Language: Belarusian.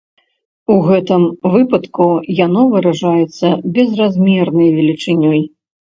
У гэтым выпадку яно выражаецца безразмернай велічынёй.